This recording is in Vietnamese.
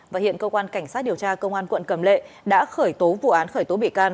và hiện cơ quan cảnh sát điều tra công an quận cầm lệ đã khởi tố vụ án khởi tố bị can